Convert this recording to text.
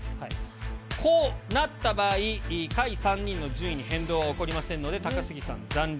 こうなった場合、下位３人の順位に変動は起こりませんので、高杉さん残留。